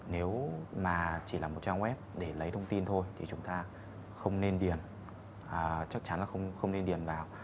nếu mà chỉ là một trang web để lấy thông tin thôi thì chúng ta không nên điền chắc chắn là không nên điền vào